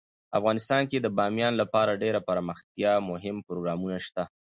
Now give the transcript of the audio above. افغانستان کې د بامیان لپاره ډیر دپرمختیا مهم پروګرامونه شته دي.